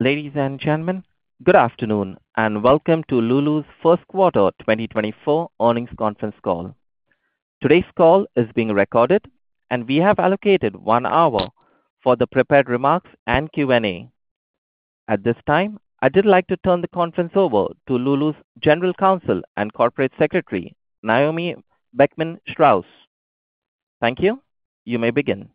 Ladies and gentlemen, good afternoon and welcome to Lulus first quarter 2024 earnings conference call. Today's call is being recorded, and we have allocated one hour for the prepared remarks and Q&A. At this time, I'd like to turn the conference over to Lulus General Counsel and Corporate Secretary, Naomi Beckman-Straus. Thank you, you may begin.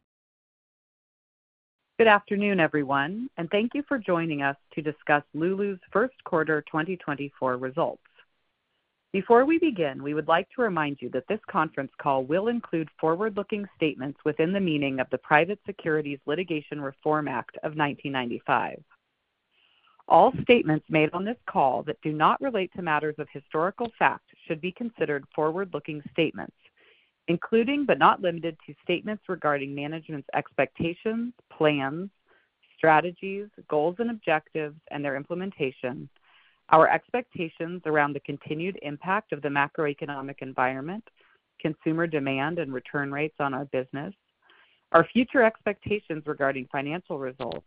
Good afternoon, everyone, and thank you for joining us to discuss Lulus first quarter 2024 results. Before we begin, we would like to remind you that this conference call will include forward-looking statements within the meaning of the Private Securities Litigation Reform Act of 1995. All statements made on this call that do not relate to matters of historical fact should be considered forward-looking statements, including but not limited to statements regarding management's expectations, plans, strategies, goals and objectives, and their implementation, our expectations around the continued impact of the macroeconomic environment, consumer demand and return rates on our business, our future expectations regarding financial results,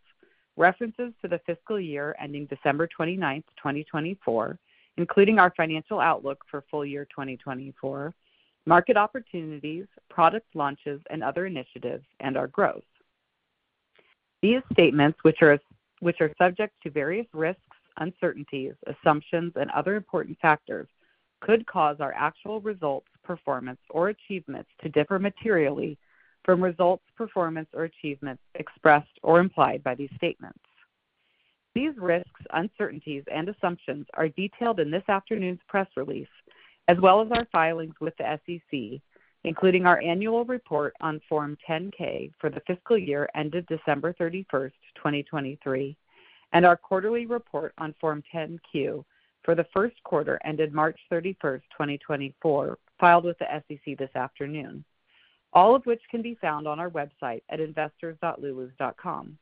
references to the fiscal year ending December 29, 2024, including our financial outlook for full year 2024, market opportunities, product launches, and other initiatives, and our growth. These statements, which are subject to various risks, uncertainties, assumptions, and other important factors, could cause our actual results, performance, or achievements to differ materially from results, performance, or achievements expressed or implied by these statements. These risks, uncertainties, and assumptions are detailed in this afternoon's press release, as well as our filings with the SEC, including our annual report on Form 10-K for the fiscal year ended December 31, 2023, and our quarterly report on Form 10-Q for the first quarter ended March 31, 2024, filed with the SEC this afternoon, all of which can be found on our website at investors.lulus.com.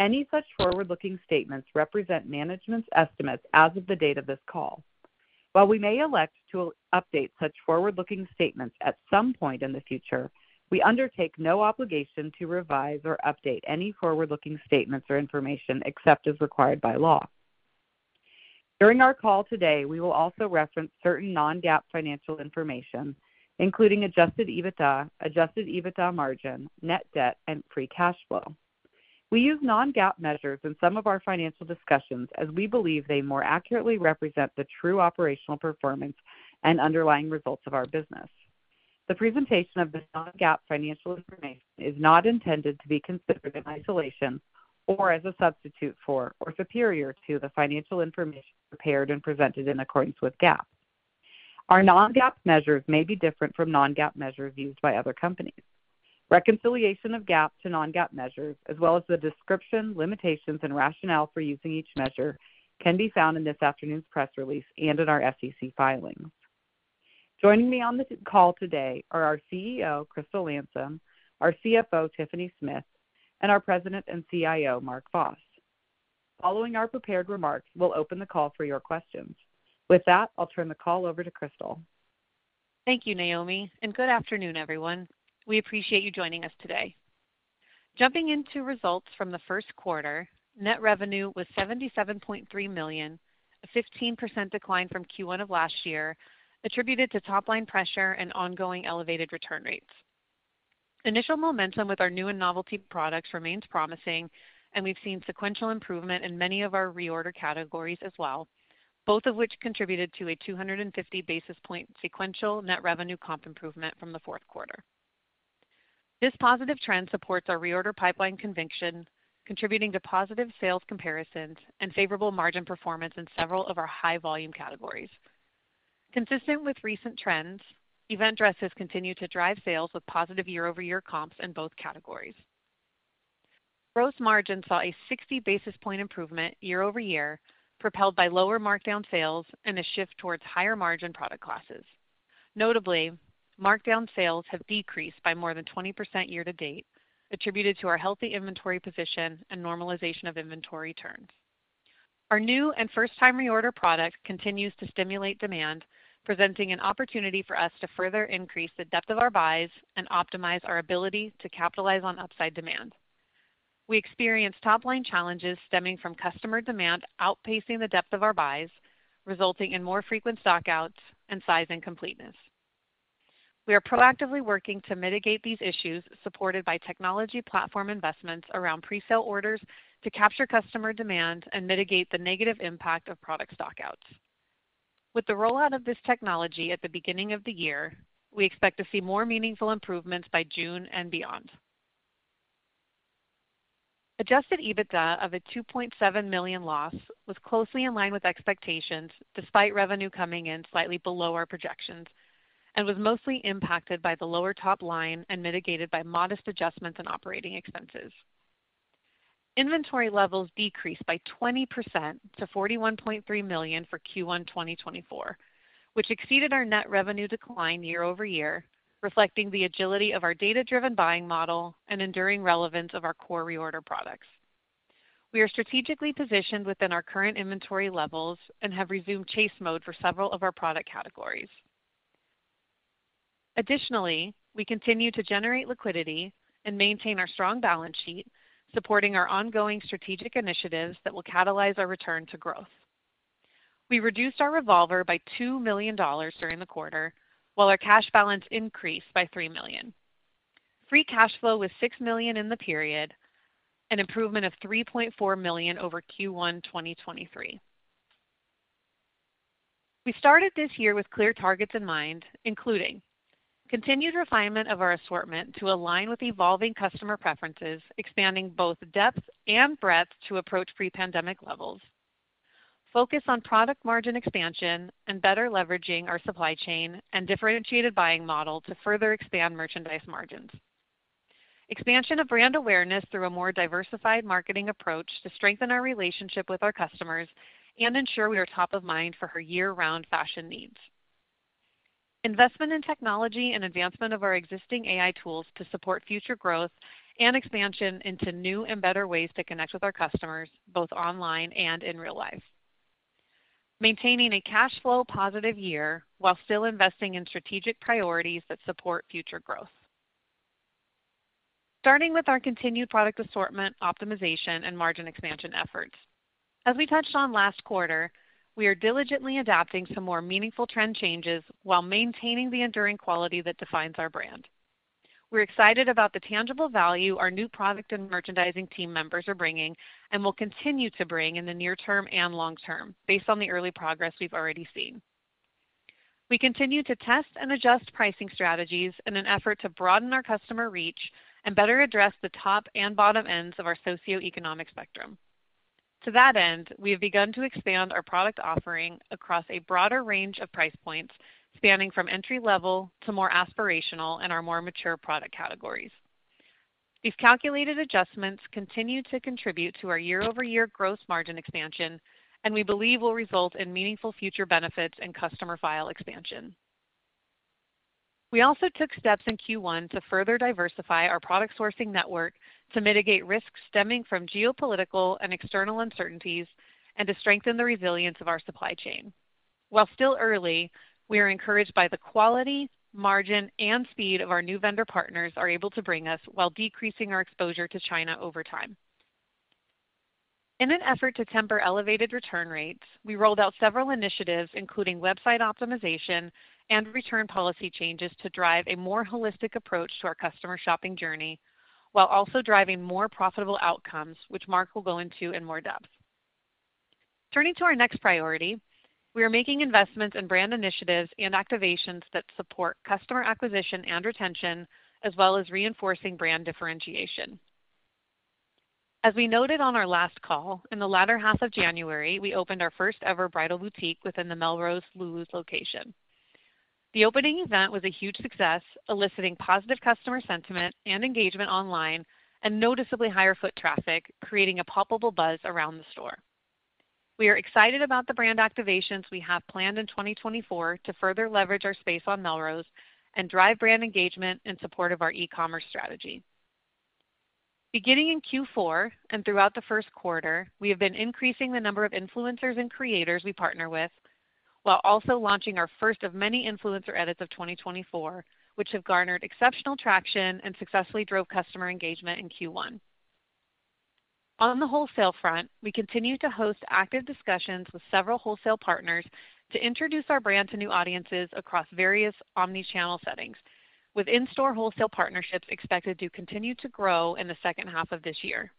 Any such forward-looking statements represent management's estimates as of the date of this call. While we may elect to update such forward-looking statements at some point in the future, we undertake no obligation to revise or update any forward-looking statements or information except as required by law. During our call today, we will also reference certain non-GAAP financial information, including Adjusted EBITDA, Adjusted EBITDA margin, net debt, and free cash flow. We use non-GAAP measures in some of our financial discussions as we believe they more accurately represent the true operational performance and underlying results of our business. The presentation of this non-GAAP financial information is not intended to be considered in isolation or as a substitute for or superior to the financial information prepared and presented in accordance with GAAP. Our non-GAAP measures may be different from non-GAAP measures used by other companies. Reconciliation of GAAP to non-GAAP measures, as well as the description, limitations, and rationale for using each measure, can be found in this afternoon's press release and in our SEC filings. Joining me on the call today are our CEO, Crystal Landsem, our CFO, Tiffany Smith, and our President and CIO, Mark Vos. Following our prepared remarks, we'll open the call for your questions. With that, I'll turn the call over to Crystal. Thank you, Naomi, and good afternoon, everyone. We appreciate you joining us today. Jumping into results from the first quarter, net revenue was $77.3 million, a 15% decline from Q1 of last year, attributed to top-line pressure and ongoing elevated return rates. Initial momentum with our new and novelty products remains promising, and we've seen sequential improvement in many of our reorder categories as well, both of which contributed to a 250 basis point sequential net revenue comp improvement from the fourth quarter. This positive trend supports our reorder pipeline conviction, contributing to positive sales comparisons and favorable margin performance in several of our high-volume categories. Consistent with recent trends, event dress has continued to drive sales with positive year-over-year comps in both categories. Gross margin saw a 60 basis point improvement year-over-year, propelled by lower markdown sales and a shift towards higher margin product classes. Notably, markdown sales have decreased by more than 20% year to date, attributed to our healthy inventory position and normalization of inventory turns. Our new and first-time reorder product continues to stimulate demand, presenting an opportunity for us to further increase the depth of our buys and optimize our ability to capitalize on upside demand. We experience top-line challenges stemming from customer demand outpacing the depth of our buys, resulting in more frequent stockouts and size incompleteness. We are proactively working to mitigate these issues, supported by technology platform investments around presale orders to capture customer demand and mitigate the negative impact of product stockouts. With the rollout of this technology at the beginning of the year, we expect to see more meaningful improvements by June and beyond. Adjusted EBITDA of a $2.7 million loss was closely in line with expectations despite revenue coming in slightly below our projections and was mostly impacted by the lower top line and mitigated by modest adjustments in operating expenses. Inventory levels decreased by 20% to $41.3 million for Q1 2024, which exceeded our net revenue decline year-over-year, reflecting the agility of our data-driven buying model and enduring relevance of our core reorder products. We are strategically positioned within our current inventory levels and have resumed chase mode for several of our product categories. Additionally, we continue to generate liquidity and maintain our strong balance sheet, supporting our ongoing strategic initiatives that will catalyze our return to growth. We reduced our revolver by $2 million during the quarter, while our cash balance increased by $3 million. Free cash flow was $6 million in the period, an improvement of $3.4 million over Q1 2023. We started this year with clear targets in mind, including: continued refinement of our assortment to align with evolving customer preferences, expanding both depth and breadth to approach pre-pandemic levels. Focus on product margin expansion and better leveraging our supply chain and differentiated buying model to further expand merchandise margins. Expansion of brand awareness through a more diversified marketing approach to strengthen our relationship with our customers and ensure we are top of mind for her year-round fashion needs. Investment in technology and advancement of our existing AI tools to support future growth and expansion into new and better ways to connect with our customers, both online and in real life. Maintaining a cash flow positive year while still investing in strategic priorities that support future growth. Starting with our continued product assortment optimization and margin expansion efforts. As we touched on last quarter, we are diligently adapting to more meaningful trend changes while maintaining the enduring quality that defines our brand. We're excited about the tangible value our new product and merchandising team members are bringing and will continue to bring in the near term and long term, based on the early progress we've already seen. We continue to test and adjust pricing strategies in an effort to broaden our customer reach and better address the top and bottom ends of our socioeconomic spectrum. To that end, we have begun to expand our product offering across a broader range of price points, spanning from entry-level to more aspirational and our more mature product categories. These calculated adjustments continue to contribute to our year-over-year gross margin expansion, and we believe will result in meaningful future benefits and customer file expansion. We also took steps in Q1 to further diversify our product sourcing network to mitigate risks stemming from geopolitical and external uncertainties and to strengthen the resilience of our supply chain. While still early, we are encouraged by the quality, margin, and speed of our new vendor partners are able to bring us while decreasing our exposure to China over time. In an effort to temper elevated return rates, we rolled out several initiatives, including website optimization and return policy changes, to drive a more holistic approach to our customer shopping journey while also driving more profitable outcomes, which Mark will go into in more depth. Turning to our next priority, we are making investments in brand initiatives and activations that support customer acquisition and retention, as well as reinforcing brand differentiation. As we noted on our last call, in the latter half of January, we opened our first-ever bridal boutique within the Melrose Lulus location. The opening event was a huge success, eliciting positive customer sentiment and engagement online and noticeably higher foot traffic, creating a palpable buzz around the store. We are excited about the brand activations we have planned in 2024 to further leverage our space on Melrose and drive brand engagement in support of our e-commerce strategy. Beginning in Q4 and throughout the first quarter, we have been increasing the number of influencers and creators we partner with, while also launching our first of many influencer edits of 2024, which have garnered exceptional traction and successfully drove customer engagement in Q1. On the wholesale front, we continue to host active discussions with several wholesale partners to introduce our brand to new audiences across various omnichannel settings, with in-store wholesale partnerships expected to continue to grow in the second half of this year.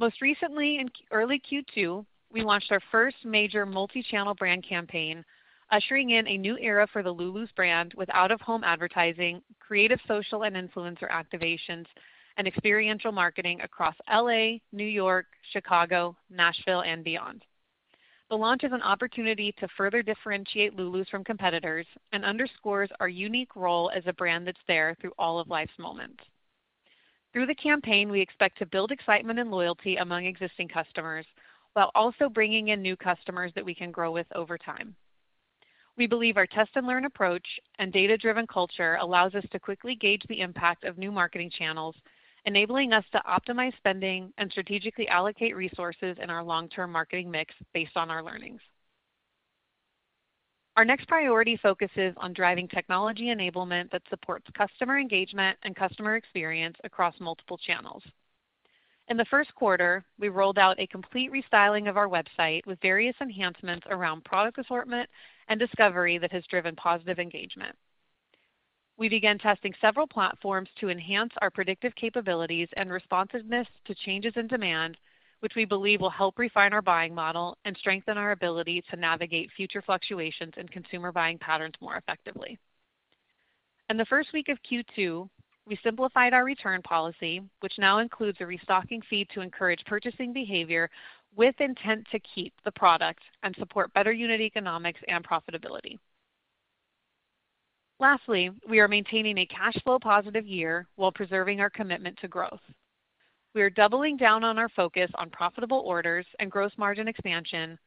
Most recently, in early Q2, we launched our first major multi-channel brand campaign, ushering in a new era for the Lulu's brand with out-of-home advertising, creative social and influencer activations, and experiential marketing across L.A., New York, Chicago, Nashville, and beyond. The launch is an opportunity to further differentiate Lulu's from competitors and underscores our unique role as a brand that's there through all of life's moments. Through the campaign, we expect to build excitement and loyalty among existing customers while also bringing in new customers that we can grow with over time. We believe our test-and-learn approach and data-driven culture allows us to quickly gauge the impact of new marketing channels, enabling us to optimize spending and strategically allocate resources in our long-term marketing mix based on our learnings. Our next priority focuses on driving technology enablement that supports customer engagement and customer experience across multiple channels. In the first quarter, we rolled out a complete restyling of our website with various enhancements around product assortment and discovery that has driven positive engagement. We began testing several platforms to enhance our predictive capabilities and responsiveness to changes in demand, which we believe will help refine our buying model and strengthen our ability to navigate future fluctuations in consumer buying patterns more effectively. In the first week of Q2, we simplified our return policy, which now includes a restocking fee to encourage purchasing behavior with intent to keep the product and support better unit economics and profitability. Lastly, we are maintaining a cash flow positive year while preserving our commitment to growth. We are doubling down on our focus on profitable orders and gross margin expansion,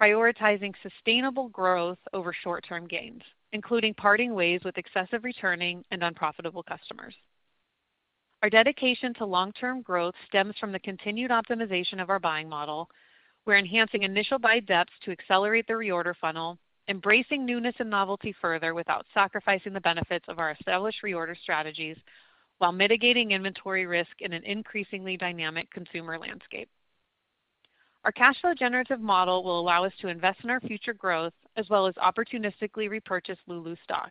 prioritizing sustainable growth over short-term gains, including parting ways with excessive returning and unprofitable customers. Our dedication to long-term growth stems from the continued optimization of our buying model. We're enhancing initial buy depths to accelerate the reorder funnel, embracing newness and novelty further without sacrificing the benefits of our established reorder strategies while mitigating inventory risk in an increasingly dynamic consumer landscape. Our cash flow generative model will allow us to invest in our future growth as well as opportunistically repurchase Lulu's stock.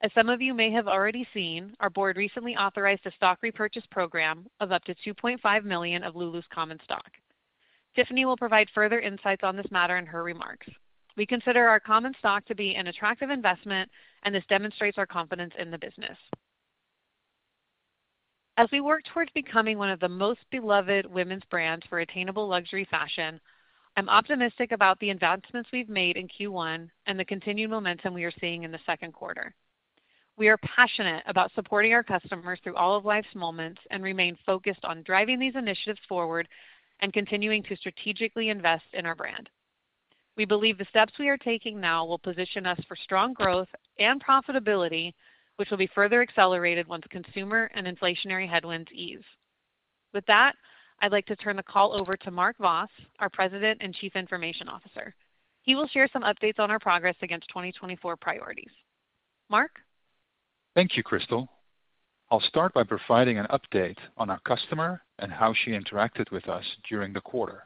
As some of you may have already seen, our board recently authorized a stock repurchase program of up to 2.5 million of Lulu's common stock. Tiffany will provide further insights on this matter in her remarks. We consider our common stock to be an attractive investment, and this demonstrates our confidence in the business. As we work towards becoming one of the most beloved women's brands for attainable luxury fashion, I'm optimistic about the advancements we've made in Q1 and the continued momentum we are seeing in the second quarter. We are passionate about supporting our customers through all of life's moments and remain focused on driving these initiatives forward and continuing to strategically invest in our brand. We believe the steps we are taking now will position us for strong growth and profitability, which will be further accelerated once consumer and inflationary headwinds ease. With that, I'd like to turn the call over to Mark Vos, our President and Chief Information Officer. He will share some updates on our progress against 2024 priorities. Mark? Thank you, Crystal. I'll start by providing an update on our customer and how she interacted with us during the quarter.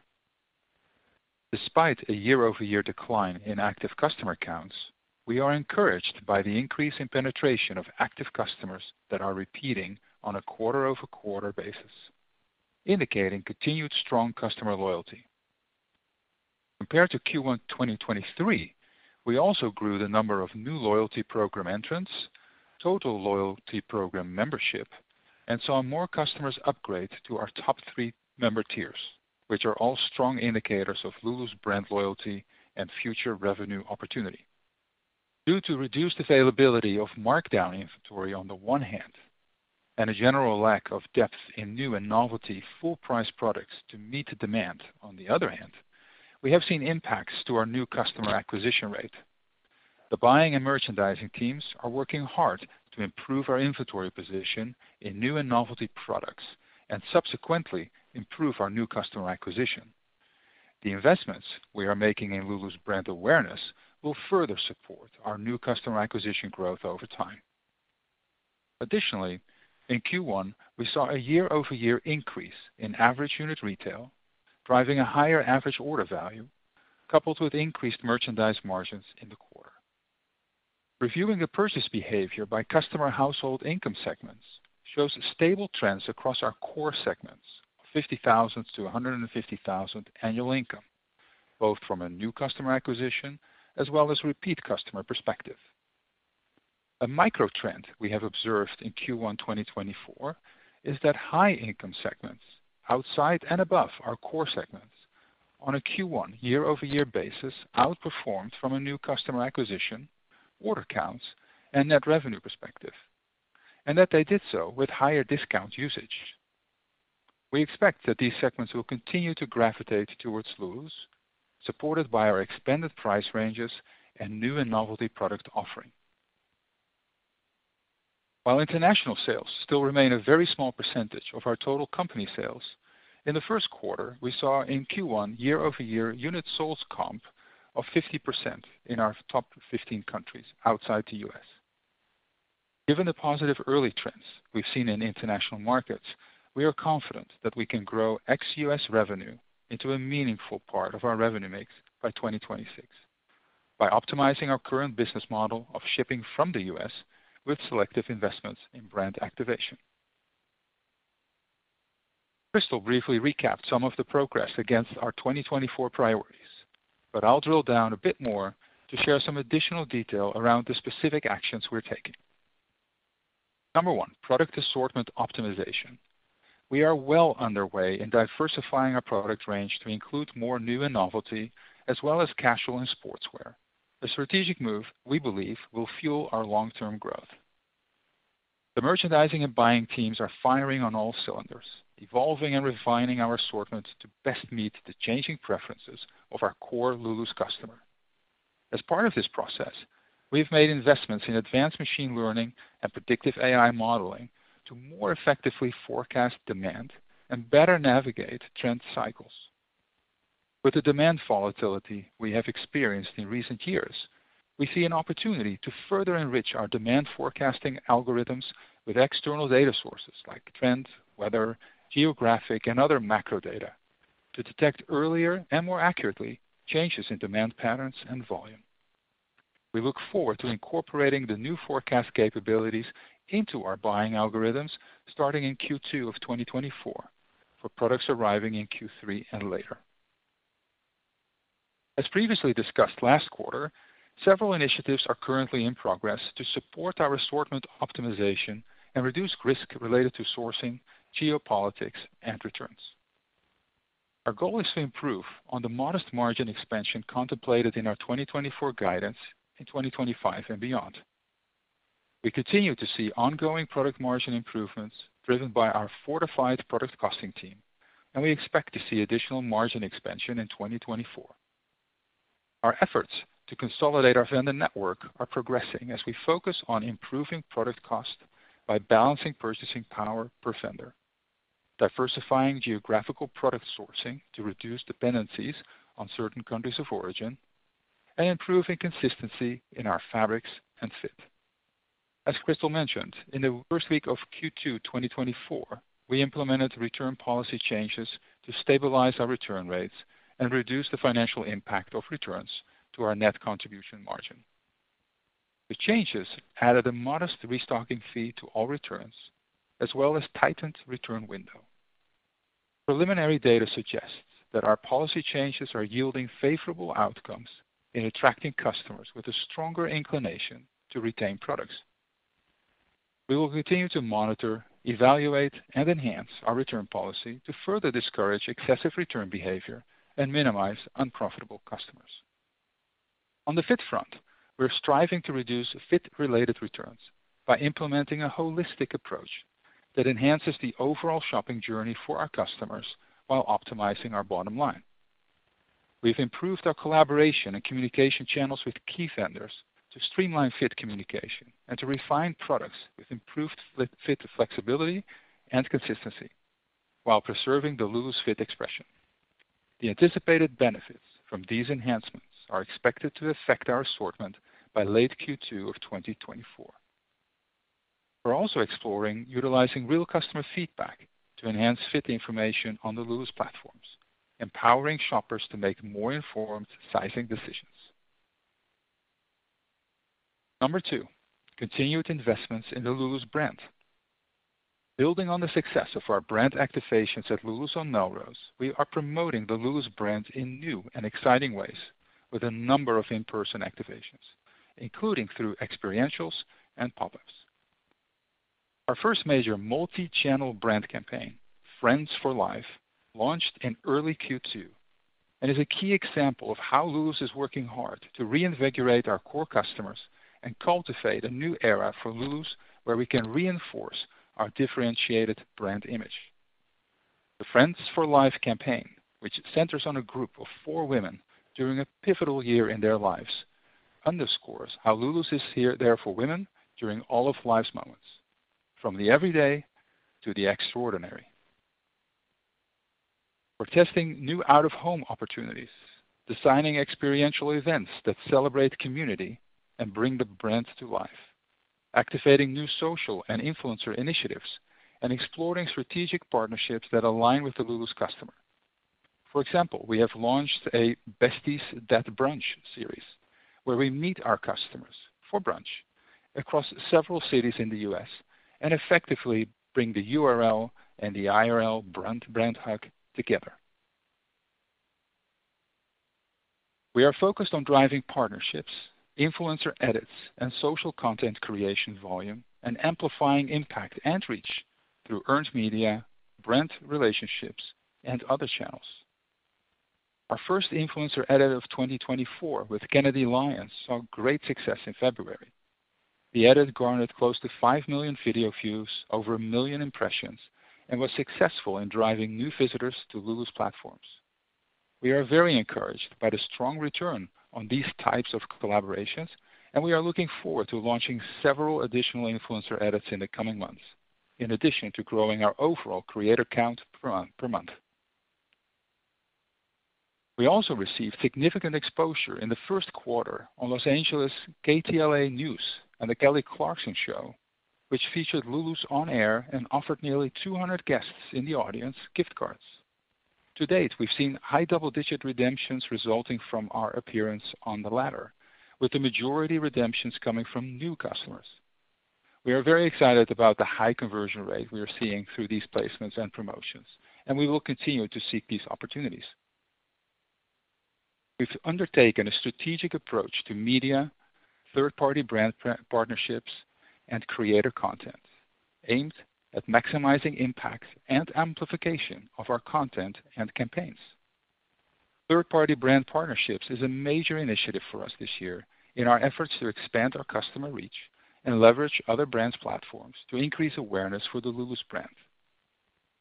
Despite a year-over-year decline in active customer counts, we are encouraged by the increase in penetration of active customers that are repeating on a quarter-over-quarter basis, indicating continued strong customer loyalty. Compared to Q1 2023, we also grew the number of new loyalty program entrants, total loyalty program membership, and saw more customers upgrade to our top three member tiers, which are all strong indicators of Lulu's brand loyalty and future revenue opportunity. Due to reduced availability of markdown inventory on the one hand, and a general lack of depth in new and novelty full-price products to meet demand on the other hand, we have seen impacts to our new customer acquisition rate. The buying and merchandising teams are working hard to improve our inventory position in new and novelty products and subsequently improve our new customer acquisition. The investments we are making in Lulu's brand awareness will further support our new customer acquisition growth over time. Additionally, in Q1, we saw a year-over-year increase in average unit retail, driving a higher average order value, coupled with increased merchandise margins in the quarter. Reviewing the purchase behavior by customer household income segments shows stable trends across our core segments of $50,000-$150,000 annual income, both from a new customer acquisition as well as repeat customer perspective. A micro-trend we have observed in Q1 2024 is that high income segments outside and above our core segments, on a Q1 year-over-year basis, outperformed from a new customer acquisition, order counts, and net revenue perspective, and that they did so with higher discount usage. We expect that these segments will continue to gravitate towards Lulu's, supported by our expanded price ranges and new and novelty product offering. While international sales still remain a very small percentage of our total company sales, in the first quarter we saw, in Q1 year-over-year, unit sales comp of 50% in our top 15 countries outside the U.S. Given the positive early trends we've seen in international markets, we are confident that we can grow ex-U.S. revenue into a meaningful part of our revenue mix by 2026, by optimizing our current business model of shipping from the U.S. with selective investments in brand activation. Crystal briefly recapped some of the progress against our 2024 priorities, but I'll drill down a bit more to share some additional detail around the specific actions we're taking. Number one: product assortment optimization. We are well underway in diversifying our product range to include more new and novelty, as well as casual and sportswear, a strategic move we believe will fuel our long-term growth. The merchandising and buying teams are firing on all cylinders, evolving and refining our assortment to best meet the changing preferences of our core Lulu's customer. As part of this process, we have made investments in advanced machine learning and predictive AI modeling to more effectively forecast demand and better navigate trend cycles. With the demand volatility we have experienced in recent years, we see an opportunity to further enrich our demand forecasting algorithms with external data sources like trends, weather, geographic, and other macro data, to detect earlier and more accurately changes in demand patterns and volume. We look forward to incorporating the new forecast capabilities into our buying algorithms starting in Q2 of 2024, for products arriving in Q3 and later. As previously discussed last quarter, several initiatives are currently in progress to support our assortment optimization and reduce risk related to sourcing, geopolitics, and returns. Our goal is to improve on the modest margin expansion contemplated in our 2024 guidance in 2025 and beyond. We continue to see ongoing product margin improvements driven by our fortified product costing team, and we expect to see additional margin expansion in 2024. Our efforts to consolidate our vendor network are progressing as we focus on improving product cost by balancing purchasing power per vendor, diversifying geographical product sourcing to reduce dependencies on certain countries of origin, and improving consistency in our fabrics and fit. As Crystal mentioned, in the first week of Q2 2024, we implemented return policy changes to stabilize our return rates and reduce the financial impact of returns to our net contribution margin. The changes added a modest restocking fee to all returns, as well as tightened return window. Preliminary data suggests that our policy changes are yielding favorable outcomes in attracting customers with a stronger inclination to retain products. We will continue to monitor, evaluate, and enhance our return policy to further discourage excessive return behavior and minimize unprofitable customers. On the fit front, we're striving to reduce fit-related returns by implementing a holistic approach that enhances the overall shopping journey for our customers while optimizing our bottom line. We've improved our collaboration and communication channels with key vendors to streamline fit communication and to refine products with improved fit flexibility and consistency, while preserving the Lulu's fit expression. The anticipated benefits from these enhancements are expected to affect our assortment by late Q2 of 2024. We're also exploring utilizing real customer feedback to enhance fit information on the Lulu's platforms, empowering shoppers to make more informed sizing decisions. Number two: continued investments in the Lulu's brand. Building on the success of our brand activations at Lulu's on Melrose, we are promoting the Lulu's brand in new and exciting ways with a number of in-person activations, including through experientials and pop-ups. Our first major multi-channel brand campaign, Friends for Life, launched in early Q2 and is a key example of how Lulu's is working hard to reinvigorate our core customers and cultivate a new era for Lulu's where we can reinforce our differentiated brand image. The Friends for Life campaign, which centers on a group of four women during a pivotal year in their lives, underscores how Lulus is here for them for women during all of life's moments, from the everyday to the extraordinary. We're testing new out-of-home opportunities, designing experiential events that celebrate community and bring the brand to life, activating new social and influencer initiatives, and exploring strategic partnerships that align with the Lulus customer. For example, we have launched a Besties That Brunch series, where we meet our customers for brunch across several cities in the U.S. and effectively bring the URL and the IRL brand hug together. We are focused on driving partnerships, influencer edits, and social content creation volume, and amplifying impact and reach through earned media, brand relationships, and other channels. Our first influencer edit of 2024 with Kennedy Lyons saw great success in February. The edit garnered close to 5 million video views, over 1 million impressions, and was successful in driving new visitors to Lulu's platforms. We are very encouraged by the strong return on these types of collaborations, and we are looking forward to launching several additional influencer edits in the coming months, in addition to growing our overall creator count per month. We also received significant exposure in the first quarter on Los Angeles KTLA News and The Kelly Clarkson Show, which featured Lulu's on air and offered nearly 200 guests in the audience gift cards. To date, we've seen high double-digit redemptions resulting from our appearance on the latter, with the majority redemptions coming from new customers. We are very excited about the high conversion rate we are seeing through these placements and promotions, and we will continue to seek these opportunities. We've undertaken a strategic approach to media, third-party brand partnerships, and creator content, aimed at maximizing impact and amplification of our content and campaigns. Third-party brand partnerships is a major initiative for us this year in our efforts to expand our customer reach and leverage other brands' platforms to increase awareness for the Lulu's brand.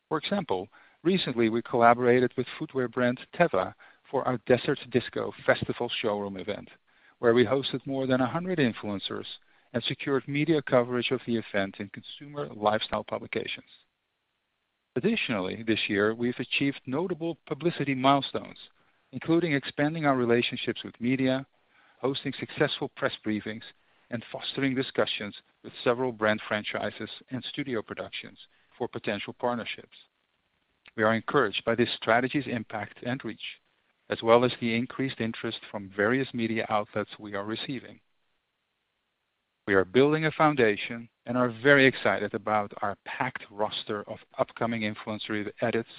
For example, recently we collaborated with footwear brand Teva for our Desert Disco Festival showroom event, where we hosted more than 100 influencers and secured media coverage of the event in consumer lifestyle publications. Additionally, this year we've achieved notable publicity milestones, including expanding our relationships with media, hosting successful press briefings, and fostering discussions with several brand franchises and studio productions for potential partnerships. We are encouraged by this strategy's impact and reach, as well as the increased interest from various media outlets we are receiving. We are building a foundation and are very excited about our packed roster of upcoming influencer edits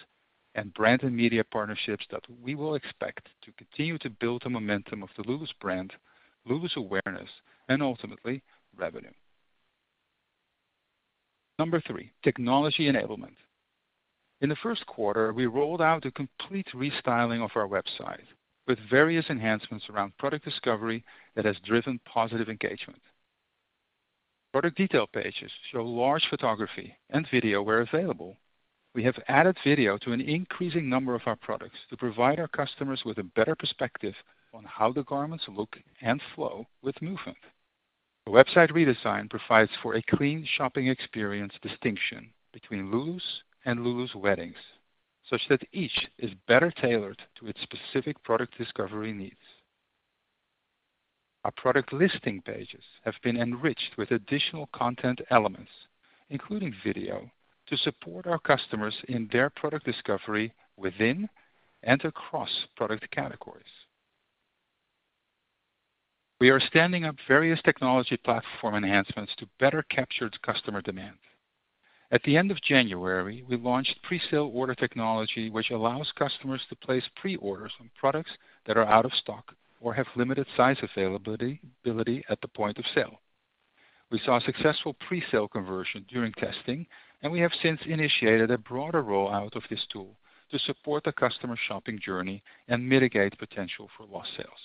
and brand and media partnerships that we will expect to continue to build the momentum of the Lulus brand, Lulus awareness, and ultimately revenue. Number three: technology enablement. In the first quarter, we rolled out a complete restyling of our website, with various enhancements around product discovery that has driven positive engagement. Product detail pages show large photography and video where available. We have added video to an increasing number of our products to provide our customers with a better perspective on how the garments look and flow with movement. The website redesign provides for a clean shopping experience distinction between Lulus and Lulus Weddings, such that each is better tailored to its specific product discovery needs. Our product listing pages have been enriched with additional content elements, including video, to support our customers in their product discovery within and across product categories. We are standing up various technology platform enhancements to better capture customer demand. At the end of January, we launched pre-sale order technology, which allows customers to place pre-orders on products that are out of stock or have limited size availability at the point of sale. We saw successful pre-sale conversion during testing, and we have since initiated a broader rollout of this tool to support the customer shopping journey and mitigate potential for lost sales.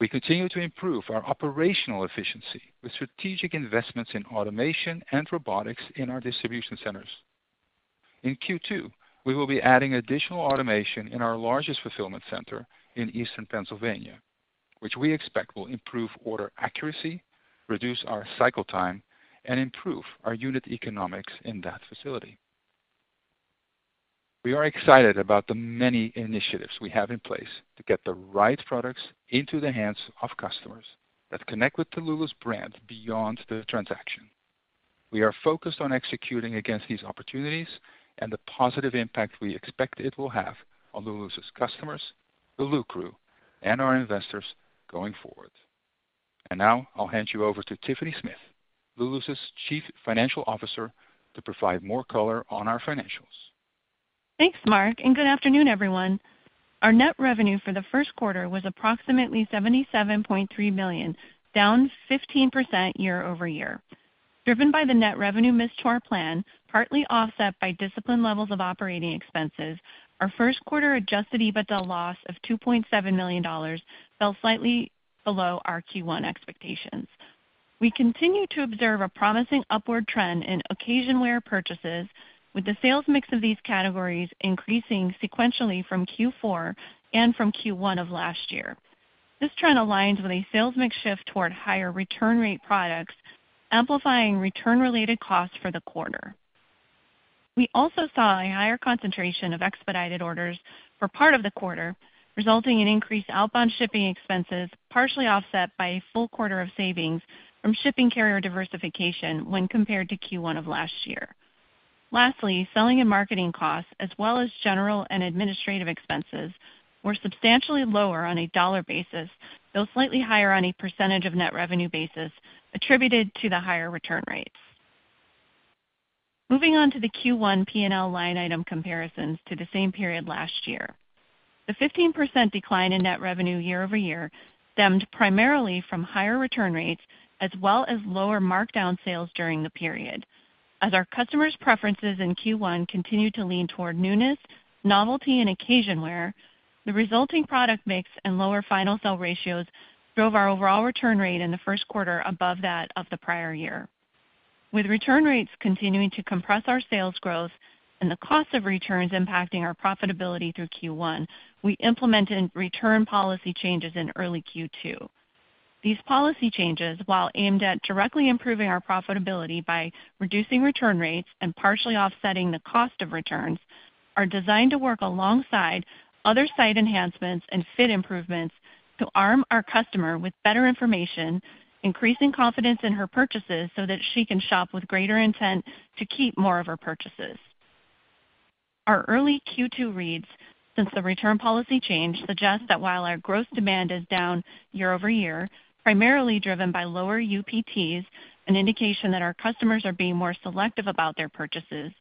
We continue to improve our operational efficiency with strategic investments in automation and robotics in our distribution centers. In Q2, we will be adding additional automation in our largest fulfillment center in Eastern Pennsylvania, which we expect will improve order accuracy, reduce our cycle time, and improve our unit economics in that facility. We are excited about the many initiatives we have in place to get the right products into the hands of customers that connect with the Lulu's brand beyond the transaction. We are focused on executing against these opportunities and the positive impact we expect it will have on Lulu's customers, the Lu Crew, and our investors going forward. And now I'll hand you over to Tiffany Smith, Lulu's Chief Financial Officer, to provide more color on our financials. Thanks, Mark, and good afternoon, everyone. Our net revenue for the first quarter was approximately $77.3 million, down 15% year-over-year. Driven by the net revenue miss relative to plan, partly offset by disciplined levels of operating expenses, our first quarter Adjusted EBITDA loss of $2.7 million fell slightly below our Q1 expectations. We continue to observe a promising upward trend in occasion wear purchases, with the sales mix of these categories increasing sequentially from Q4 and from Q1 of last year. This trend aligns with a sales mix shift toward higher return rate products, amplifying return-related costs for the quarter. We also saw a higher concentration of expedited orders for part of the quarter, resulting in increased outbound shipping expenses, partially offset by a full quarter of savings from shipping carrier diversification when compared to Q1 of last year. Lastly, selling and marketing costs, as well as general and administrative expenses, were substantially lower on a dollar basis, though slightly higher on a percentage of net revenue basis, attributed to the higher return rates. Moving on to the Q1 P&L line item comparisons to the same period last year. The 15% decline in net revenue year-over-year stemmed primarily from higher return rates, as well as lower markdown sales during the period. As our customers' preferences in Q1 continued to lean toward newness, novelty, and occasion wear, the resulting product mix and lower final sell ratios drove our overall return rate in the first quarter above that of the prior year. With return rates continuing to compress our sales growth and the cost of returns impacting our profitability through Q1, we implemented return policy changes in early Q2. These policy changes, while aimed at directly improving our profitability by reducing return rates and partially offsetting the cost of returns, are designed to work alongside other site enhancements and fit improvements to arm our customer with better information, increasing confidence in her purchases so that she can shop with greater intent to keep more of her purchases. Our early Q2 reads since the return policy change suggest that while our gross demand is down year-over-year, primarily driven by lower UPTs, an indication that our customers are being more selective about their purchases,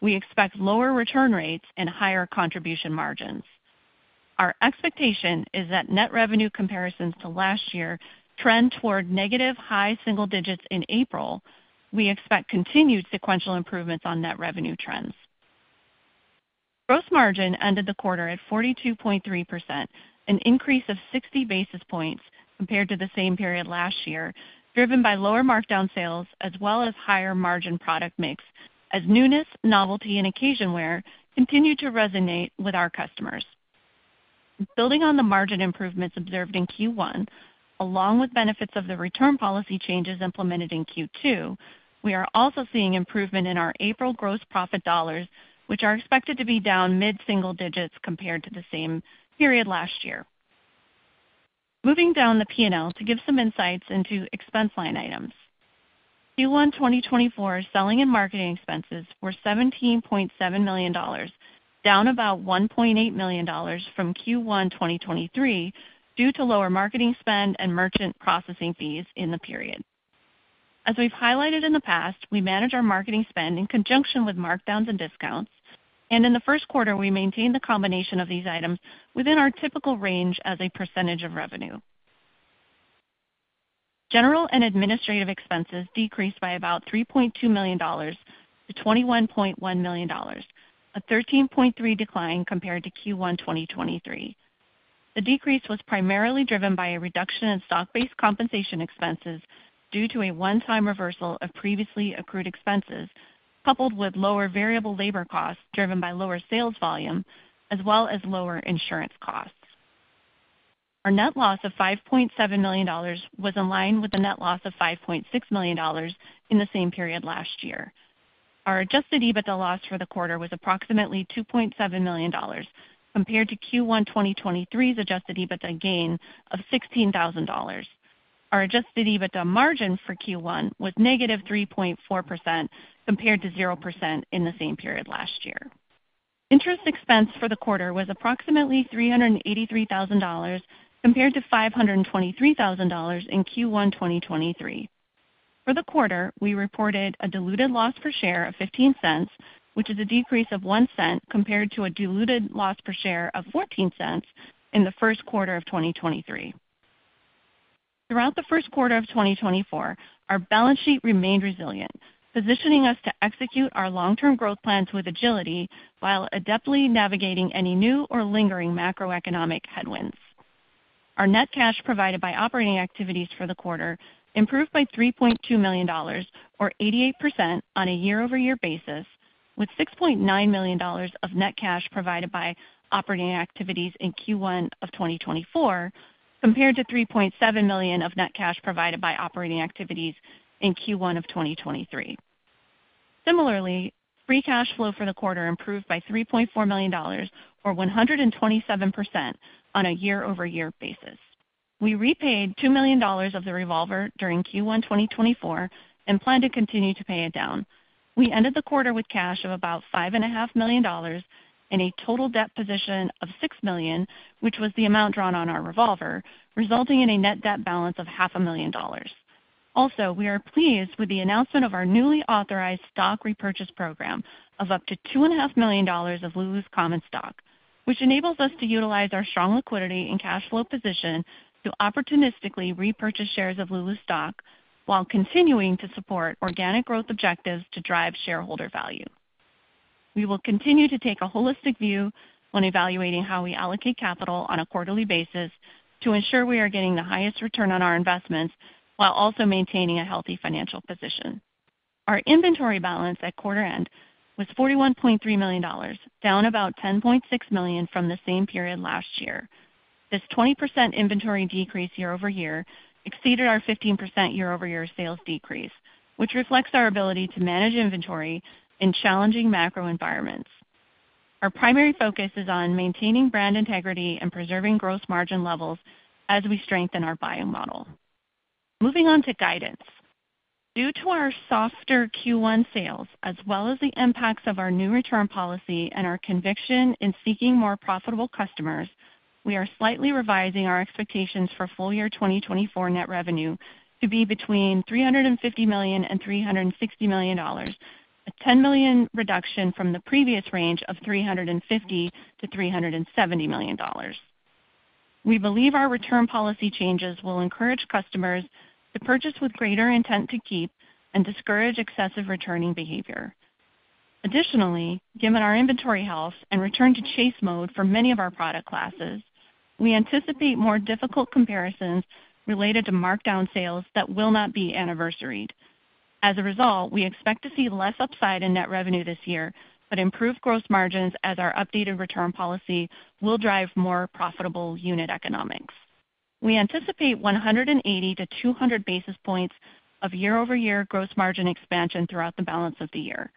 we expect lower return rates and higher contribution margins. Our expectation is that net revenue comparisons to last year trend toward negative high single digits in April. We expect continued sequential improvements on net revenue trends. Gross margin ended the quarter at 42.3%, an increase of 60 basis points compared to the same period last year, driven by lower markdown sales, as well as higher margin product mix, as newness, novelty, and occasion wear continue to resonate with our customers. Building on the margin improvements observed in Q1, along with benefits of the return policy changes implemented in Q2, we are also seeing improvement in our April gross profit dollars, which are expected to be down mid-single digits compared to the same period last year. Moving down the P&L to give some insights into expense line items. Q1 2024 selling and marketing expenses were $17.7 million, down about $1.8 million from Q1 2023 due to lower marketing spend and merchant processing fees in the period. As we've highlighted in the past, we manage our marketing spend in conjunction with markdowns and discounts, and in the first quarter, we maintain the combination of these items within our typical range as a percentage of revenue. General and administrative expenses decreased by about $3.2 million to $21.1 million, a 13.3% decline compared to Q1 2023. The decrease was primarily driven by a reduction in stock-based compensation expenses due to a one-time reversal of previously accrued expenses, coupled with lower variable labor costs driven by lower sales volume, as well as lower insurance costs. Our net loss of $5.7 million was in line with the net loss of $5.6 million in the same period last year. Our Adjusted EBITDA loss for the quarter was approximately $2.7 million compared to Q1 2023's Adjusted EBITDA gain of $16,000. Our Adjusted EBITDA margin for Q1 was negative 3.4% compared to 0% in the same period last year. Interest expense for the quarter was approximately $383,000 compared to $523,000 in Q1 2023. For the quarter, we reported a diluted loss per share of $0.15, which is a decrease of $0.01 compared to a diluted loss per share of $0.14 in the first quarter of 2023. Throughout the first quarter of 2024, our balance sheet remained resilient, positioning us to execute our long-term growth plans with agility while adeptly navigating any new or lingering macroeconomic headwinds. Our net cash provided by operating activities for the quarter improved by $3.2 million, or 88% on a year-over-year basis, with $6.9 million of net cash provided by operating activities in Q1 of 2024 compared to $3.7 million of net cash provided by operating activities in Q1 of 2023. Similarly, free cash flow for the quarter improved by $3.4 million, or 127% on a year-over-year basis. We repaid $2 million of the revolver during Q1 2024 and plan to continue to pay it down. We ended the quarter with cash of about $5.5 million and a total debt position of $6 million, which was the amount drawn on our revolver, resulting in a net debt balance of $500,000. Also, we are pleased with the announcement of our newly authorized stock repurchase program of up to $2.5 million of Lulu's common stock, which enables us to utilize our strong liquidity and cash flow position to opportunistically repurchase shares of Lulu's stock while continuing to support organic growth objectives to drive shareholder value. We will continue to take a holistic view when evaluating how we allocate capital on a quarterly basis to ensure we are getting the highest return on our investments while also maintaining a healthy financial position. Our inventory balance at quarter end was $41.3 million, down about $10.6 million from the same period last year. This 20% inventory decrease year-over-year exceeded our 15% year-over-year sales decrease, which reflects our ability to manage inventory in challenging macro environments. Our primary focus is on maintaining brand integrity and preserving gross margin levels as we strengthen our buying model. Moving on to guidance. Due to our softer Q1 sales, as well as the impacts of our new return policy and our conviction in seeking more profitable customers, we are slightly revising our expectations for full year 2024 net revenue to be between $350 million and $360 million, a $10 million reduction from the previous range of $350 million-$370 million. We believe our return policy changes will encourage customers to purchase with greater intent to keep and discourage excessive returning behavior. Additionally, given our inventory health and return-to-chase mode for many of our product classes, we anticipate more difficult comparisons related to markdown sales that will not be anniversaried. As a result, we expect to see less upside in net revenue this year, but improved gross margins as our updated return policy will drive more profitable unit economics. We anticipate 180-200 basis points of year-over-year gross margin expansion throughout the balance of the year.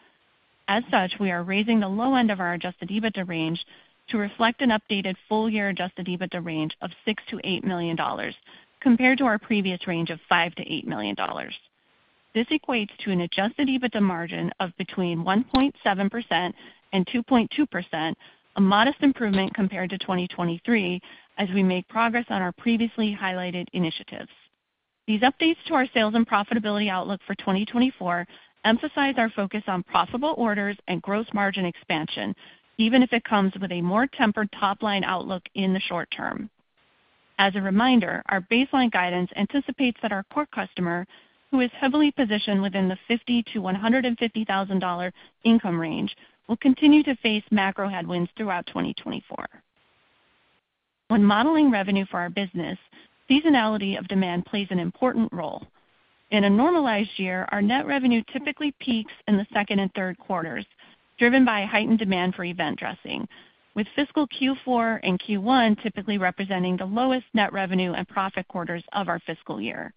As such, we are raising the low end of our Adjusted EBITDA range to reflect an updated full year Adjusted EBITDA range of $6 million-$8 million compared to our previous range of $5 million-$8 million. This equates to an Adjusted EBITDA margin of between 1.7% and 2.2%, a modest improvement compared to 2023 as we make progress on our previously highlighted initiatives. These updates to our sales and profitability outlook for 2024 emphasize our focus on profitable orders and gross margin expansion, even if it comes with a more tempered top-line outlook in the short term. As a reminder, our baseline guidance anticipates that our core customer, who is heavily positioned within the $50,000-$150,000 income range, will continue to face macro headwinds throughout 2024. When modeling revenue for our business, seasonality of demand plays an important role. In a normalized year, our Net Revenue typically peaks in the second and third quarters, driven by heightened demand for event dressing, with fiscal Q4 and Q1 typically representing the lowest Net Revenue and profit quarters of our fiscal year.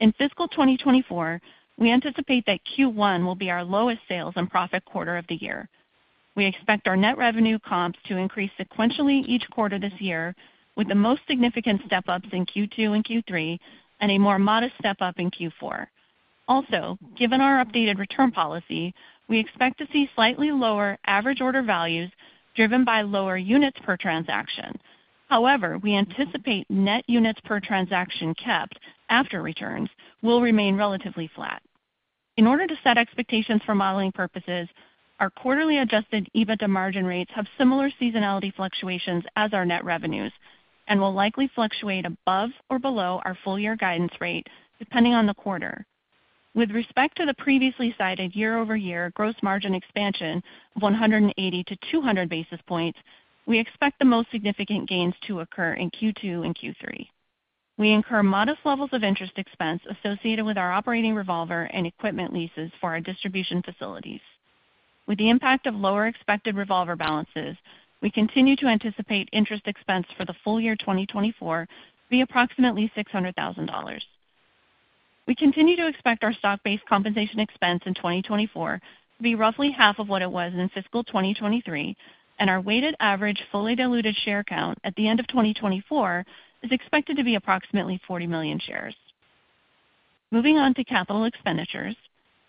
In fiscal 2024, we anticipate that Q1 will be our lowest sales and profit quarter of the year. We expect our Net Revenue comps to increase sequentially each quarter this year, with the most significant step-ups in Q2 and Q3 and a more modest step-up in Q4. Also, given our updated return policy, we expect to see slightly lower average order values driven by lower units per transaction. However, we anticipate net units per transaction kept after returns will remain relatively flat. In order to set expectations for modeling purposes, our quarterly Adjusted EBITDA margin rates have similar seasonality fluctuations as our net revenues and will likely fluctuate above or below our full year guidance rate, depending on the quarter. With respect to the previously cited year-over-year gross margin expansion of 180-200 basis points, we expect the most significant gains to occur in Q2 and Q3. We incur modest levels of interest expense associated with our operating revolver and equipment leases for our distribution facilities. With the impact of lower expected revolver balances, we continue to anticipate interest expense for the full year 2024 to be approximately $600,000. We continue to expect our stock-based compensation expense in 2024 to be roughly half of what it was in fiscal 2023, and our weighted average fully diluted share count at the end of 2024 is expected to be approximately 40 million shares. Moving on to capital expenditures,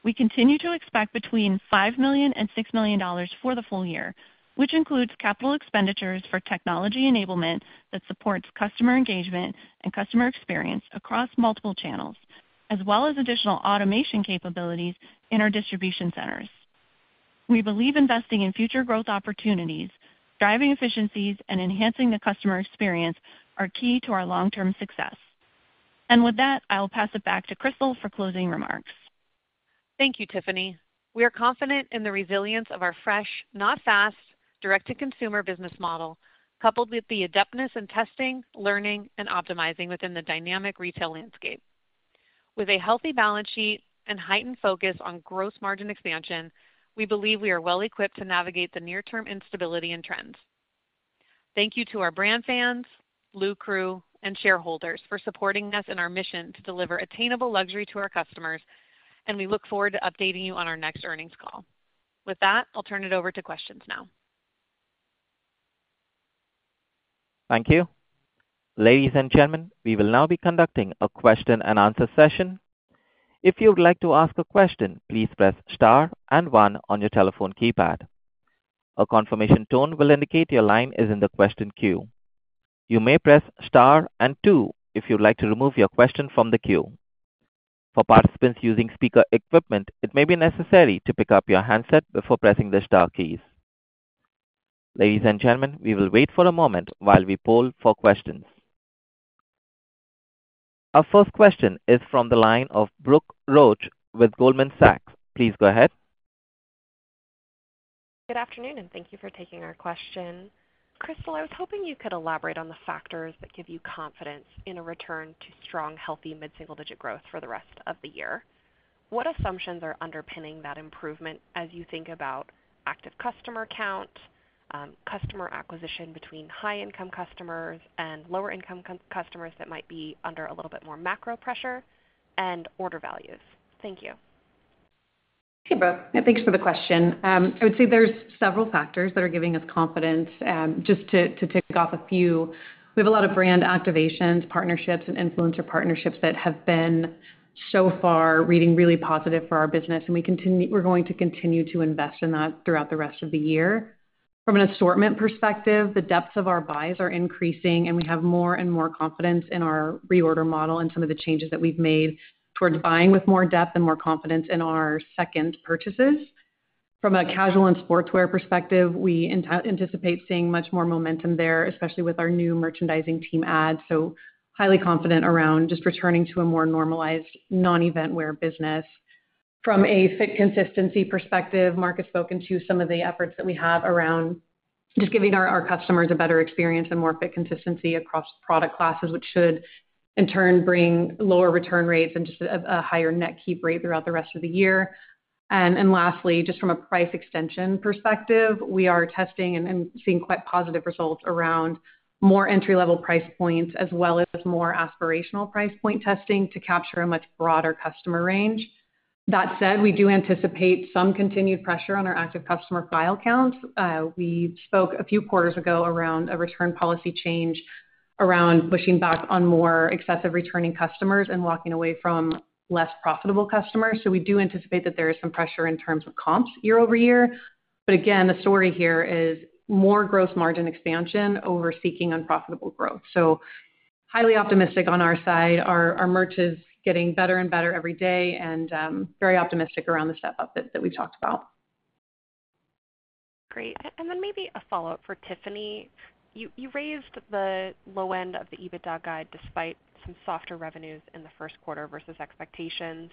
we continue to expect between $5 million-$6 million for the full year, which includes capital expenditures for technology enablement that supports customer engagement and customer experience across multiple channels, as well as additional automation capabilities in our distribution centers. We believe investing in future growth opportunities, driving efficiencies, and enhancing the customer experience are key to our long-term success. And with that, I will pass it back to Crystal for closing remarks. Thank you, Tiffany. We are confident in the resilience of our fresh, not fast, direct-to-consumer business model, coupled with the adeptness in testing, learning, and optimizing within the dynamic retail landscape. With a healthy balance sheet and heightened focus on gross margin expansion, we believe we are well-equipped to navigate the near-term instability and trends. Thank you to our brand fans, Lulus crew, and shareholders for supporting us in our mission to deliver attainable luxury to our customers, and we look forward to updating you on our next earnings call. With that, I'll turn it over to questions now. Thank you. Ladies and gentlemen, we will now be conducting a question-and-answer session. If you would like to ask a question, please press star and one on your telephone keypad. A confirmation tone will indicate your line is in the question queue. You may press star and two if you would like to remove your question from the queue. For participants using speaker equipment, it may be necessary to pick up your handset before pressing the star keys. Ladies and gentlemen, we will wait for a moment while we poll for questions. Our first question is from the line of Brooke Roach with Goldman Sachs. Please go ahead. Good afternoon, and thank you for taking our question. Crystal, I was hoping you could elaborate on the factors that give you confidence in a return to strong, healthy mid-single-digit growth for the rest of the year. What assumptions are underpinning that improvement as you think about active customer count, customer acquisition between high-income customers and lower-income customers that might be under a little bit more macro pressure, and order values? Thank you. Hey, Brooke. Thanks for the question. I would say there's several factors that are giving us confidence. Just to tick off a few, we have a lot of brand activations, partnerships, and influencer partnerships that have been so far reading really positive for our business, and we're going to continue to invest in that throughout the rest of the year. From an assortment perspective, the depths of our buys are increasing, and we have more and more confidence in our reorder model and some of the changes that we've made towards buying with more depth and more confidence in our second purchases. From a casual and sportswear perspective, we anticipate seeing much more momentum there, especially with our new merchandising team adds, so highly confident around just returning to a more normalized non-eventwear business. From a fit consistency perspective, Mark has spoken to some of the efforts that we have around just giving our customers a better experience and more fit consistency across product classes, which should, in turn, bring lower return rates and just a higher net keep rate throughout the rest of the year. Lastly, just from a price extension perspective, we are testing and seeing quite positive results around more entry-level price points as well as more aspirational price point testing to capture a much broader customer range. That said, we do anticipate some continued pressure on our active customer file counts. We spoke a few quarters ago around a return policy change around pushing back on more excessive returning customers and walking away from less profitable customers. We do anticipate that there is some pressure in terms of comps year-over-year. But again, the story here is more Gross Margin expansion over seeking unprofitable growth. So highly optimistic on our side. Our merch is getting better and better every day, and very optimistic around the step-up that we've talked about. Great. And then maybe a follow-up for Tiffany. You raised the low end of the EBITDA guide despite some softer revenues in the first quarter versus expectations.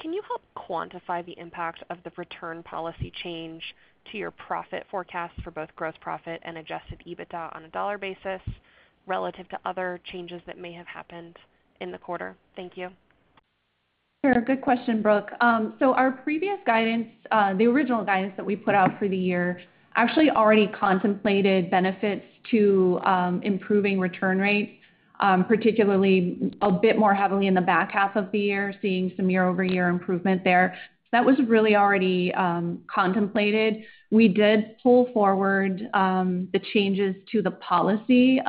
Can you help quantify the impact of the return policy change to your profit forecast for both gross profit and Adjusted EBITDA on a dollar basis relative to other changes that may have happened in the quarter? Thank you. Sure. Good question, Brooke. So our previous guidance, the original guidance that we put out for the year, actually already contemplated benefits to improving return rates, particularly a bit more heavily in the back half of the year, seeing some year-over-year improvement there. So that was really already contemplated. We did pull forward the changes to the policy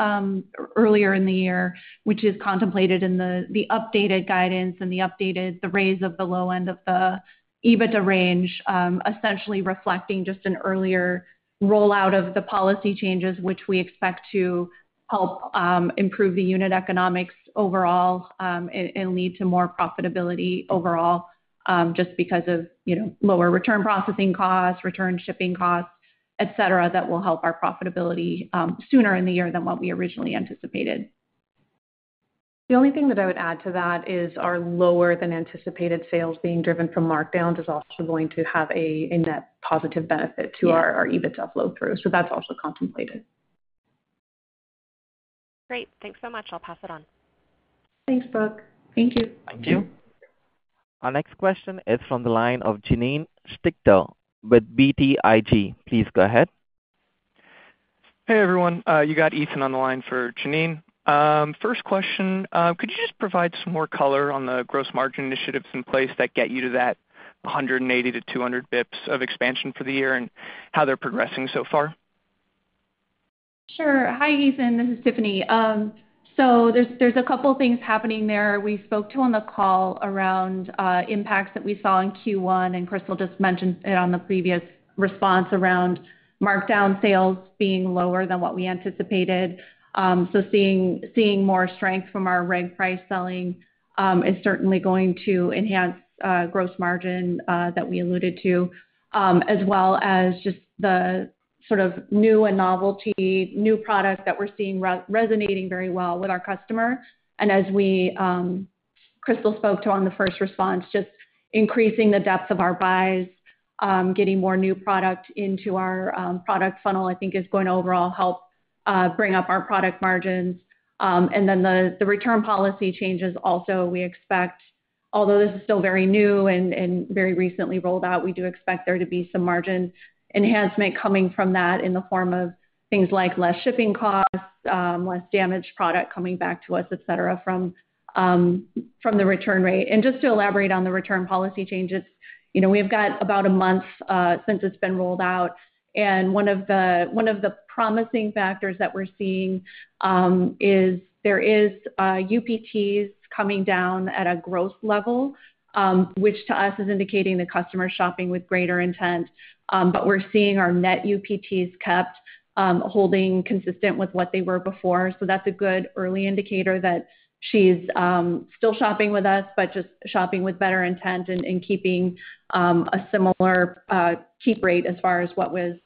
earlier in the year, which is contemplated in the updated guidance and the raise of the low end of the EBITDA range, essentially reflecting just an earlier rollout of the policy changes, which we expect to help improve the unit economics overall and lead to more profitability overall just because of lower return processing costs, return shipping costs, etc., that will help our profitability sooner in the year than what we originally anticipated. The only thing that I would add to that is our lower-than-anticipated sales being driven from markdowns is also going to have a net positive benefit to our EBITDA flow-through. So that's also contemplated. Great. Thanks so much. I'll pass it on. Thanks, Brooke. Thank you. Thank you. Our next question is from the line of Janine Stichter with BTIG. Please go ahead. Hey, everyone. You got Ethan on the line for Janine. First question, could you just provide some more color on the gross margin initiatives in place that get you to that 180-200 basis points of expansion for the year and how they're progressing so far? Sure. Hi, Ethan. This is Tiffany. So there's a couple of things happening there we spoke to on the call around impacts that we saw in Q1, and Crystal just mentioned it on the previous response around markdown sales being lower than what we anticipated. So seeing more strength from our reg price selling is certainly going to enhance gross margin that we alluded to, as well as just the sort of new and novelty, new product that we're seeing resonating very well with our customer. And as Crystal spoke to on the first response, just increasing the depth of our buys, getting more new product into our product funnel, I think, is going to overall help bring up our product margins. And then the return policy changes also we expect, although this is still very new and very recently rolled out, we do expect there to be some margin enhancement coming from that in the form of things like less shipping costs, less damaged product coming back to us, etc., from the return rate. And just to elaborate on the return policy changes, we've got about a month since it's been rolled out. And one of the promising factors that we're seeing is there is UPTs coming down at a gross level, which to us is indicating the customer is shopping with greater intent. But we're seeing our net UPTs kept holding consistent with what they were before. So that's a good early indicator that she's still shopping with us but just shopping with better intent and keeping a similar keep rate as far as what was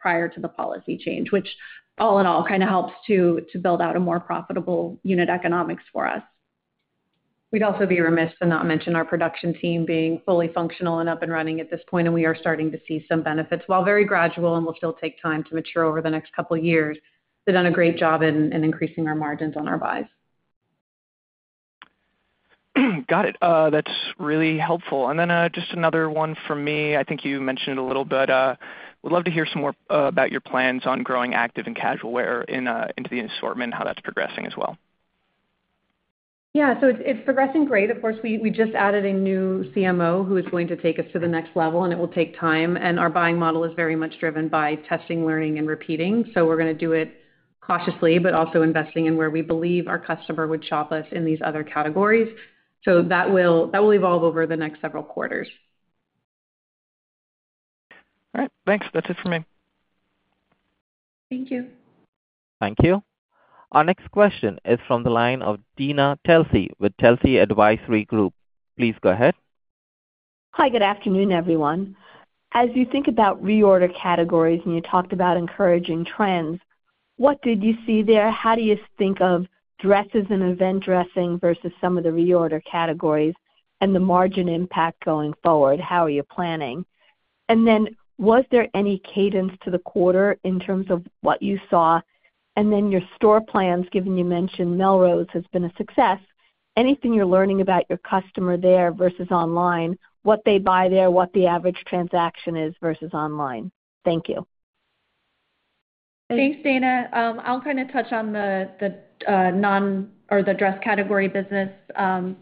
prior to the policy change, which all in all kind of helps to build out a more profitable unit economics for us. We'd also be remiss to not mention our production team being fully functional and up and running at this point, and we are starting to see some benefits. While very gradual and will still take time to mature over the next couple of years, they've done a great job in increasing our margins on our buys. Got it. That's really helpful. Then just another one from me. I think you mentioned it a little bit. Would love to hear some more about your plans on growing active and casual wear into the assortment and how that's progressing as well. Yeah. So it's progressing great. Of course, we just added a new CMO who is going to take us to the next level, and it will take time. And our buying model is very much driven by testing, learning, and repeating. So we're going to do it cautiously but also investing in where we believe our customer would shop us in these other categories. So that will evolve over the next several quarters. All right. Thanks. That's it from me. Thank you. Thank you. Our next question is from the line of Dana Telsey with Telsey Advisory Group. Please go ahead. Hi. Good afternoon, everyone. As you think about reorder categories and you talked about encouraging trends, what did you see there? How do you think of dresses and event dressing versus some of the reorder categories and the margin impact going forward? How are you planning? Was there any cadence to the quarter in terms of what you saw? Your store plans, given you mentioned Melrose has been a success, anything you're learning about your customer there versus online, what they buy there, what the average transaction is versus online? Thank you. Thanks, Dana. I'll kind of touch on the non-dress category business and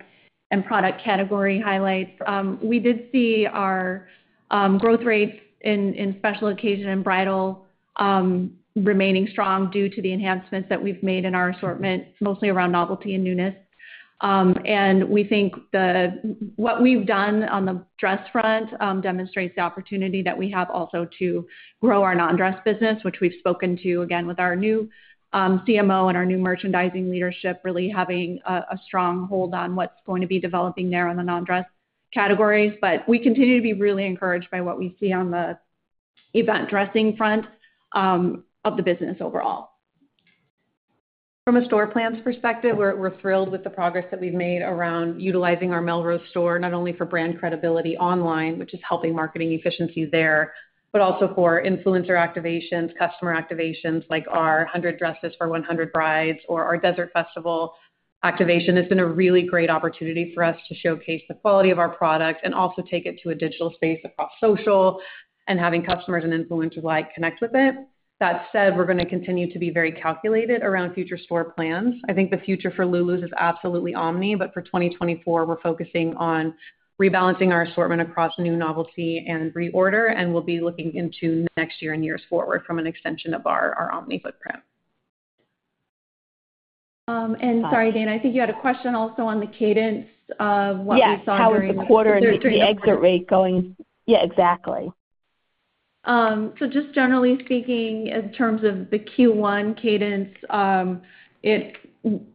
product category highlights. We did see our growth rates in special occasion and bridal remaining strong due to the enhancements that we've made in our assortment, mostly around novelty and newness. And we think what we've done on the dress front demonstrates the opportunity that we have also to grow our non-dress business, which we've spoken to, again, with our new CMO and our new merchandising leadership really having a strong hold on what's going to be developing there on the non-dress categories. But we continue to be really encouraged by what we see on the event dressing front of the business overall. From a store plans perspective, we're thrilled with the progress that we've made around utilizing our Melrose store not only for brand credibility online, which is helping marketing efficiency there, but also for influencer activations, customer activations like our 100 Dresses for 100 Brides or our Desert Disco Festival activation, which has been a really great opportunity for us to showcase the quality of our product and also take it to a digital space across social and having customers and influencers connect with it. That said, we're going to continue to be very calculated around future store plans. I think the future for Lulus is absolutely omni, but for 2024, we're focusing on rebalancing our assortment across new novelty and reorder, and we'll be looking into next year and years forward from an extension of our omni footprint. Sorry, Dana, I think you had a question also on the cadence of what we saw during the. Yeah. How was the quarter and the exit rate going? Yeah, exactly. So just generally speaking, in terms of the Q1 cadence,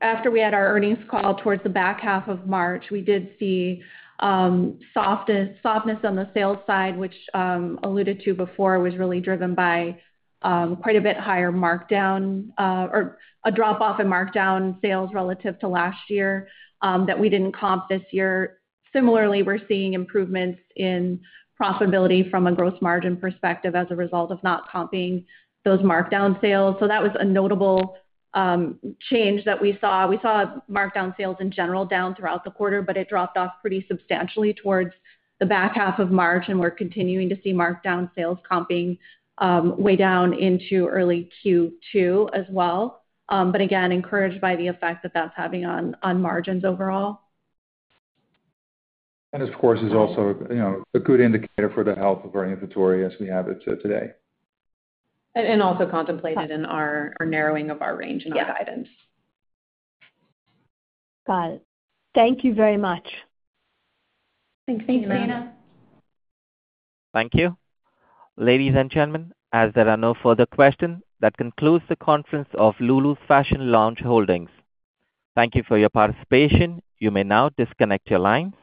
after we had our earnings call towards the back half of March, we did see softness on the sales side, which I alluded to before, was really driven by quite a bit higher markdown or a drop-off in markdown sales relative to last year that we didn't comp this year. Similarly, we're seeing improvements in profitability from a gross margin perspective as a result of not comping those markdown sales. So that was a notable change that we saw. We saw markdown sales in general down throughout the quarter, but it dropped off pretty substantially towards the back half of March, and we're continuing to see markdown sales comping way down into early Q2 as well, but again, encouraged by the effect that that's having on margins overall. Of course, it is also a good indicator for the health of our inventory as we have it today. Also contemplated in our narrowing of our range and our guidance. Got it. Thank you very much. Thanks, Dana, and. Thanks, Dana. Thank you. Ladies and gentlemen, as there are no further questions, that concludes the conference of Lulu's Fashion Lounge Holdings. Thank you for your participation. You may now disconnect your lines.